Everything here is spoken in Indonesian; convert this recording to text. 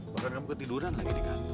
bahkan kamu ketiduran lagi di kantor